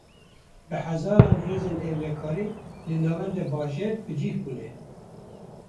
Bi hezaran hêzên ewlekarî, li navenda bajêr bi cih bûne